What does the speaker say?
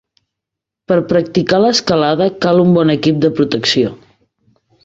Per practicar l'escalada cal un bon equip de protecció.